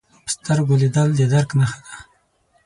په سترګو لیدل د درک نښه ده